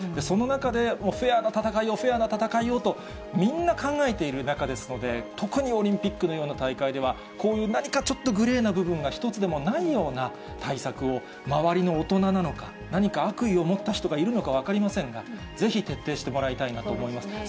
その中で、フェアな戦いを、フェアな戦いを人みんな考えている中ですので、特にオリンピックのような大会では、こういう何か、ちょっとグレーなことは一つでもないような対策を、周りの大人なのか、何か悪意を持った人がいるのか分かりませんが、ぜひ徹底してもらいたいなと思います。